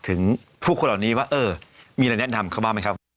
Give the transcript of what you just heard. ถึงผู้คนเหล่านี้ว่าเออมีอะไรแนะนำเขาบ้างไหมครับ